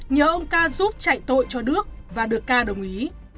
nhờ ông ca giúp chạy tội cho đước và được ca đồng ý